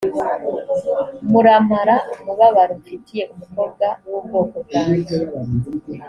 muramara umubabaro mfitiye umukobwa w’ubwoko bwanjye